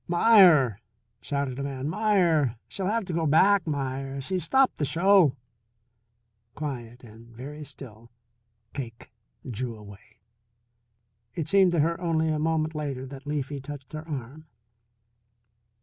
"Meier," shouted a man. "Meier she'll have to go back, Meier; she's stopped the show." Quiet and very still, Cake drew away. It seemed to her only a moment later that Leafy touched her arm.